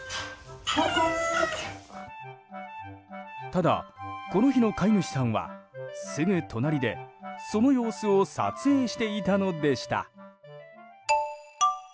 ただ、この日の飼い主さんはすぐ隣で、その様子を撮影していたのでした。